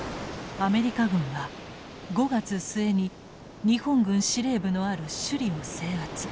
アメリカ軍は５月末に日本軍司令部のある首里を制圧。